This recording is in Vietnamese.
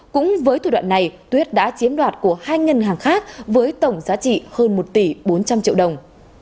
cũng với thủ đoạn này tuyết đã chiếm đoạt của hai ngân hàng khác với tổng giá trị hơn một tỷ bốn trăm linh triệu đồng